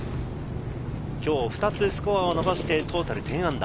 今日２つスコアを伸ばしてトータル−１０。